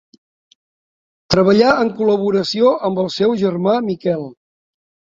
Treballà en col·laboració amb el seu germà Miquel.